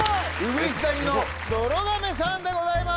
鶯谷の泥亀さんでございます。